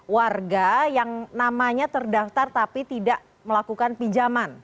warga yang namanya terdaftar tapi tidak melakukan pinjaman